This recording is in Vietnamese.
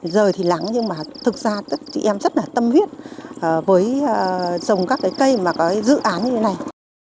giờ thì lắng nhưng mà thực ra chị em rất là tâm huyết với trồng các cái cây mà có dự án như thế này